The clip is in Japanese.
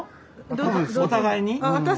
お互いに？